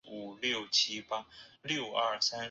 详参集团军。